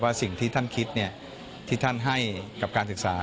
สิ่งที่ท่านคิดที่ท่านให้กับการศึกษา